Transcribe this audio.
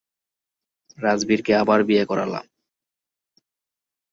রাজবীরকে আবার বিয়ে করালাম।